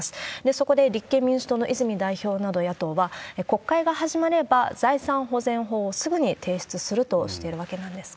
そこで、立憲民主党の泉代表など野党は、国会が始まれば、財産保全法をすぐに提出するとしてるわけなんですが。